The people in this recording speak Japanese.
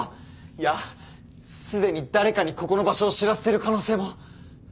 いやすでに誰かにここの場所を知らせてる可能性も。